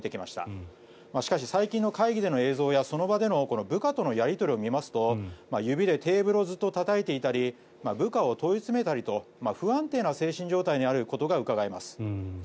しかし、最近の会議での映像やその場での部下とのやり取りを見ますと指でテーブルをずっとたたいていたり部下を問い詰めたりと不安定な精神状態にあることがうかがえます。